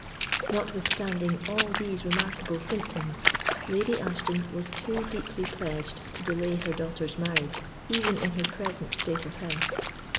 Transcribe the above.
Notwithstanding all these remarkable symptoms, Lady Ashton was too deeply pledged to delay her daughter's marriage even in her present state of health.